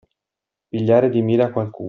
Pigliare di mira qualcuno.